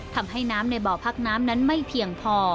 ทำให้น้ำในบ่อพักน้ำนั้นไม่เพียงพอ